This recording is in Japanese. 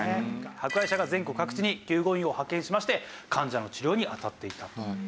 博愛社が全国各地に救護員を派遣しまして患者の治療にあたっていたと。